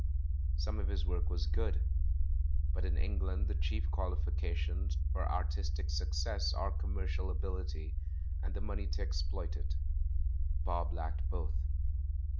Some of his work was good, but in Eng land the chief qualifications for artistic success are commercial ability, and the money to exploit it; Bob lacked both.